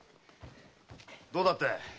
どうだった？